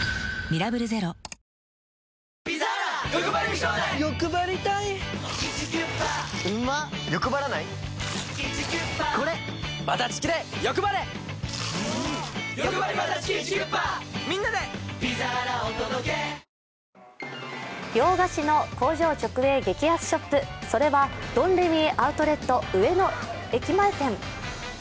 では一晩寝かせた熟成あじは洋菓子の工場直営激安ショップ、それはドンレミーアウトレット上野駅前店。